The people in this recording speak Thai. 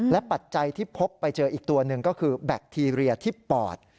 ปัจจัยที่พบไปเจออีกตัวหนึ่งก็คือแบคทีเรียที่ปอด